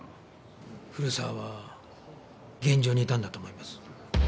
古沢は現場にいたんだと思います。